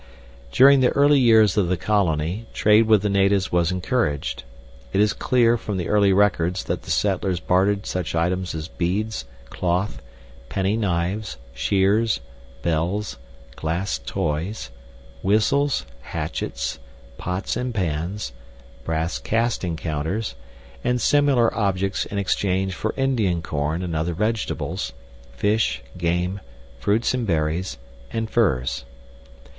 During the early years of the colony, trade with the natives was encouraged. It is clear from the early records that the settlers bartered such items as beads, cloth, penny knives, shears, bells, glass toys, whistles, hatchets, pots and pans, brass casting counters, and similar objects in exchange for Indian corn (and other vegetables), fish, game, fruits and berries, and furs.